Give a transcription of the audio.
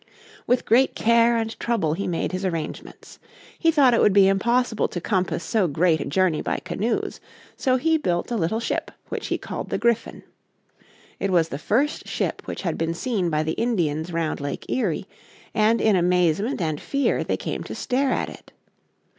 With great care and trouble he made his arrangements. He thought it would be impossible to compass so great a journey by canoes, so he built a little ship which he called the Griffin. It was the first ship which had been seen by the Indians round Lake Erie, and in amazement and fear they came to stare at it.